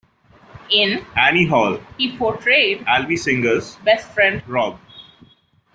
In "Annie Hall", he portrayed Alvy Singer's best friend Rob.